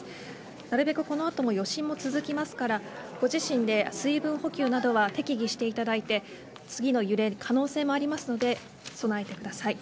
なるべくこの後も余震も続きますからご自身で水分補給などは適宜していただいて次の揺れ、可能性もありますので備えてください。